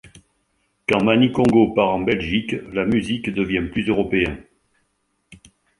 Quand Mani Kongo part en Belgique, la musique devient plus européen.